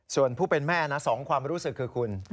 ส่วนผู้เป็นแม่นะ๒ความรู้สึกคือคุณ